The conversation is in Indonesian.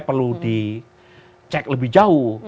perlu dicek lebih jauh